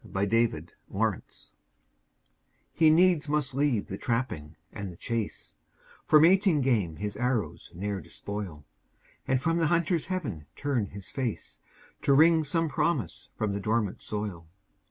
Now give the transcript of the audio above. THE INDIAN CORN PLANTER He needs must leave the trapping and the chase, For mating game his arrows ne'er despoil, And from the hunter's heaven turn his face, To wring some promise from the dormant soil.